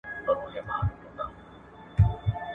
فعالیتونه د ماشوم ټولنیز مهارتونه پياوړي کوي.